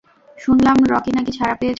শুনলাম রকি না-কি ছাড়া পেয়েছে।